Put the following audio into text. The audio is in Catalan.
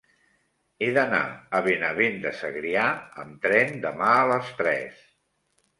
He d'anar a Benavent de Segrià amb tren demà a les tres.